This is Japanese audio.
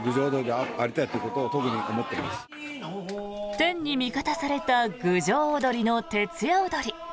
天に味方された郡上おどりの徹夜おどり。